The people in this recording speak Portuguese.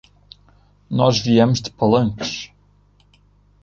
Nós viemos de Palanques.